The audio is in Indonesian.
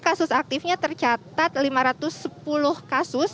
kasus aktifnya tercatat lima ratus sepuluh kasus